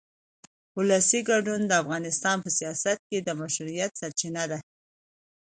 ولسي ګډون د افغانستان په سیاست کې د مشروعیت سرچینه ده